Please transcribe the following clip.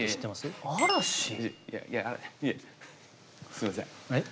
すいません